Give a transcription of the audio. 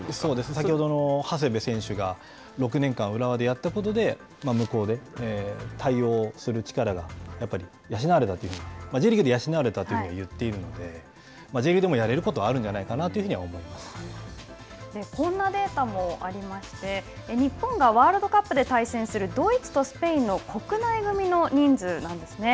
先ほどの長谷部選手が５年間浦和でやったことで向こうで対応する力がやっぱり養われたというふうにＪリーグで養われたと言っているのでＪリーグでもやれることはあるんじゃないかなこんなデータもありまして日本がワールドカップで対戦するドイツとスペインの国内組の人数なんですね。